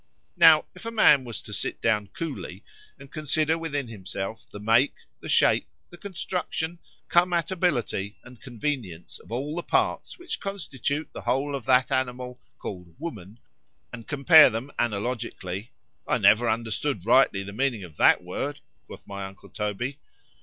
——Now, if a man was to sit down coolly, and consider within himself the make, the shape, the construction, come at ability, and convenience of all the parts which constitute the whole of that animal, called Woman, and compare them analogically—I never understood rightly the meaning of that word,—quoth my uncle _Toby.